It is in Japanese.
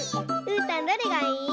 うーたんどれがいい？